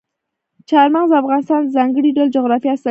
چار مغز د افغانستان د ځانګړي ډول جغرافیه استازیتوب کوي.